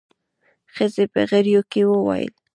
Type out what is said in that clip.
ښځې په غريو کې وويل.